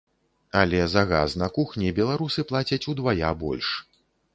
Але за газ на кухні беларусы плацяць удвая больш.